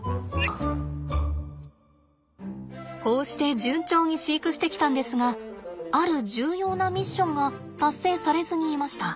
こうして順調に飼育してきたんですがある重要なミッションが達成されずにいました。